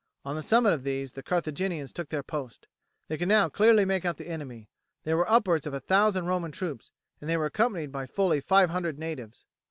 On the summit of these the Carthaginians took their post. They could now clearly make out the enemy; there were upwards of a thousand Roman troops, and they were accompanied by fully five hundred natives.